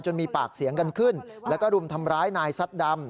มีปากเสียงกันขึ้นแล้วก็รุมทำร้ายนายซัดดำ